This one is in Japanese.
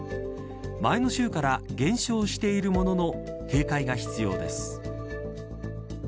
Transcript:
前の週から減少しているものの警戒が必要です。